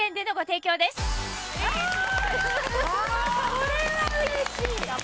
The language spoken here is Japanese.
これはうれしい！